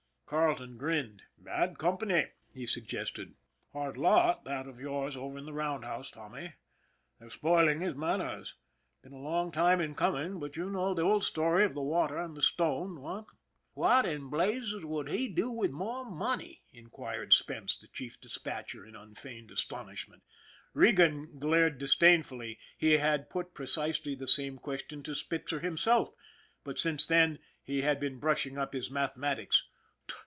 Carleton grinned. " Bad company," he suggested. " Hard lot, that of yours over in the roundhouse, Tommy. They're spoil ing his manners. Been a long time in coming, but you SPITZER 73 know the old story of the water and the stone. What?" " What in blazes would he do with more money ?" inquired Spence, the chief dispatcher, in unfeigned astonishment. Regan glared disdainfully. He had put precisely the same question to Spitzer himself, but since then he had been brushing up his mathematics.